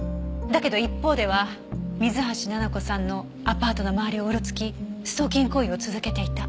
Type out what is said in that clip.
だけど一方では水橋奈々子さんのアパートの周りをうろつきストーキング行為を続けていた。